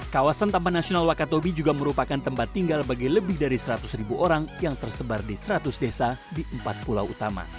kawasan taman nasional wakatobi juga merupakan tempat tinggal bagi lebih dari seratus ribu orang yang tersebar di seratus desa di empat pulau utama